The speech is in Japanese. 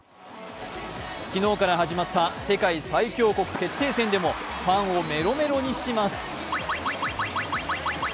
昨日から始まった世界最強国決定戦でもファンをメロメロにします。